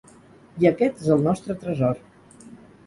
I aquest és el nostre tresor.